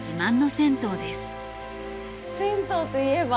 銭湯といえば。